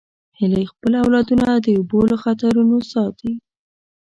هیلۍ خپل اولادونه د اوبو له خطرونو ساتي